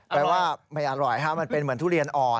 แปลว่าไม่อร่อยมันเป็นเหมือนทุเรียนอ่อน